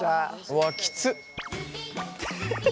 うわきつっ。